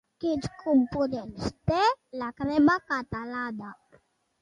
Quins components té la crema catalana?